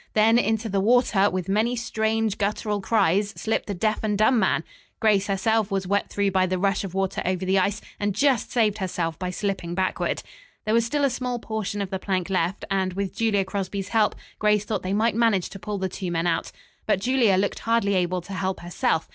Then, into the water, with many strange, guttural cries, slipped the deaf and dumb man. Grace herself was wet through by the rush of water over the ice, and just saved herself by slipping backward. There was still a small portion of the plank left, and, with Julia Crosby's help, Grace thought they might manage to pull the two men out. But Julia looked hardly able to help herself.